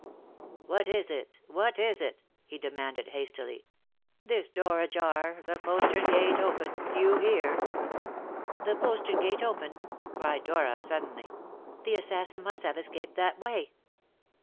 "What is it? What is it?" he demanded hastily. "This door ajar the postern gate open you here " "The postern gate open?" cried Dora suddenly. "The assassin must have escaped that way."